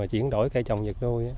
chuyển đổi cây trồng nhật nuôi